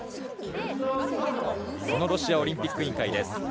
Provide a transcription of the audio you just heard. ロシアオリンピック委員会です。